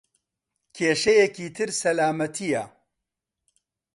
کێشەیەکی تر سەلامەتییە.